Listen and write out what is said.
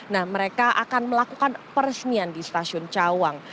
nah mereka akan melakukan peresmian di stasiun cawang